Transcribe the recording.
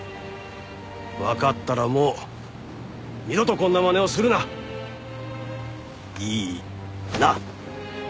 わかったらもう二度とこんなまねをするな。いいな？